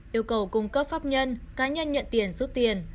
yêu cầu cung cấp pháp nhân cá nhân nhận tiền rút tiền